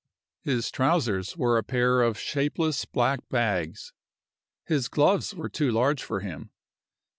His trousers were a pair of shapeless black bags. His gloves were too large for him.